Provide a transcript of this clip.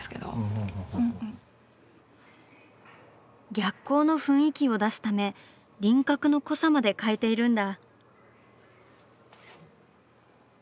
逆光の雰囲気を出すため輪郭の濃さまで変えているんだ。